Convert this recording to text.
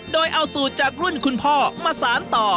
โดยเอาสูตรจากรุ่นคุณพ่อมาสารต่อ